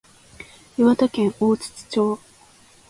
岩手県大槌町